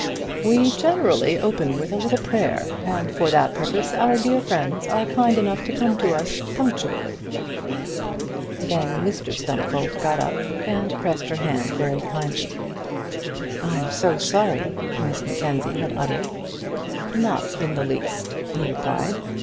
"We generally open with a little prayer, and for that purpose our dear friends are kind enough to come to us punctually." Then Mr Stumfold got up, and pressed her hand very kindly. "I'm so sorry," Miss Mackenzie had uttered. "Not in the least," he replied.